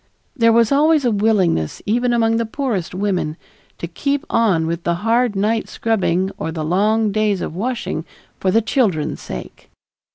There was always a willingness, even among the poorest women, to keep on with the hard night scrubbing or the long days of washing for the children's sake.